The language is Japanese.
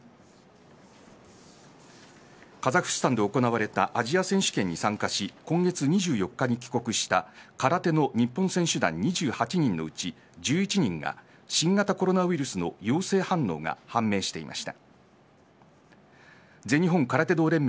カザフスタンで行われたアジア選手権に参加し今月２４日に帰国した空手の日本選手団２８人のうち１１人が新型コロナウイルスの陽性反応が判明していました。